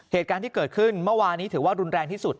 เหตุการณ์ที่เกิดขึ้นเมื่อวานนี้ถือว่ารุนแรงที่สุด